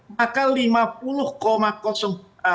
maka lima puluh delapan ya itu adalah penyelidikan